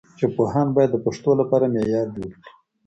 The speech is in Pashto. ژبپوهان باید د پښتو لپاره معیار جوړ کړي.